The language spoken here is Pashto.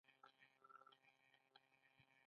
ایا د میاشتنۍ ناروغۍ مخکې درد لرئ؟